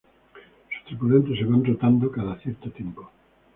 Sus tripulantes se van rotando cada cierto tiempo.